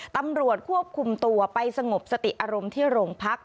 ตำรวจควบคุมตัวไปสงบสติอารมณ์ที่โรงพัก